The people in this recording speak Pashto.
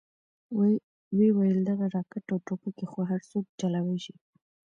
ويې ويل دغه راکټ او ټوپکې خو هرسوک چلوې شي.